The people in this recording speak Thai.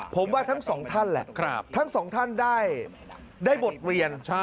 ผมว่าทั้งสองท่านแหละทั้งสองท่านได้บทเรียน